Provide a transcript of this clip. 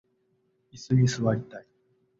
いすに座りたい